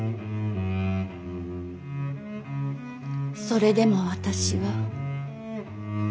それでも私は。